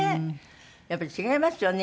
やっぱり違いますよね